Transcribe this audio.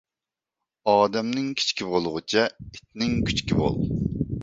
ئادەمنىڭ كىچىكى بولغۇچە، ئىتنىڭ كۈچۈكى بول.